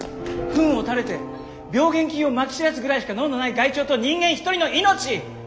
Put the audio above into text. フンを垂れて病原菌をまき散らすぐらいしか能のない害鳥と人間一人の命